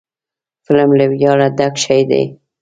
قلم له ویاړه ډک شی دی